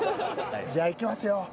じゃあいきますよ。